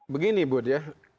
begini bud ya